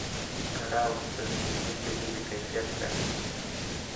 کره او سمې جملې د ژبې کیفیت ساتي.